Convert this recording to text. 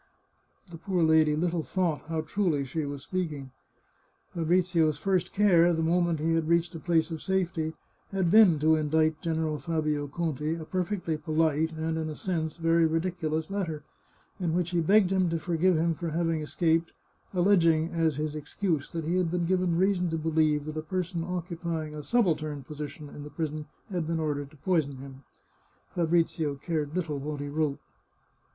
The poor lady little thought how truly she was speaking. Fabrizio's first care, the moment he had reached a place of safety, had been to indite General Fabio Conti a per fectly polite and, in a sense, a very ridiculous letter, in which he begged him to forgive him for having escaped, alleging, as his excuse, that he had been given reason to be lieve that a person occupying a subaltern position in the prison had been ordered to poison him. Fabrizio cared little what he wrote.